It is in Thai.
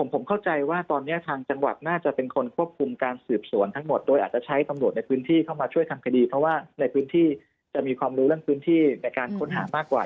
ผมเข้าใจว่าตอนนี้ทางจังหวัดน่าจะเป็นคนควบคุมการสืบสวนทั้งหมดโดยอาจจะใช้ตำรวจในพื้นที่เข้ามาช่วยทำคดีเพราะว่าในพื้นที่จะมีความรู้เรื่องพื้นที่ในการค้นหามากกว่า